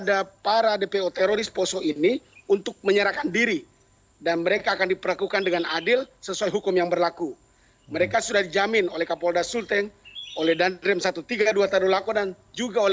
apa yang diumkan kepada mereka